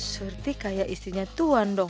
surti kayak istrinya tuhan dong